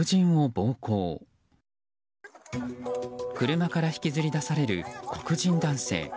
車から引きずり出される黒人男性。